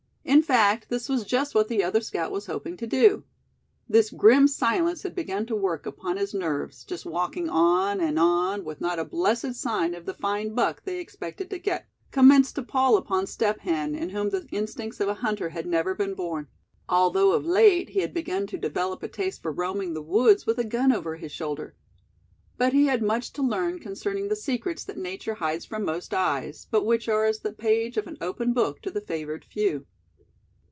In fact, this was just what the other scout was hoping to do. This grim silence had begun to work upon his nerves just walking on and on, with not a blessed sign of the fine buck they expected to get, commenced to pall upon Step Hen, in whom the instincts of a hunter had never been born; although of late he had begun to develop a taste for roaming the woods with a gun over his shoulder. But he had much to learn concerning the secrets that Nature hides from most eyes, but which are as the page of an open book to the favored few.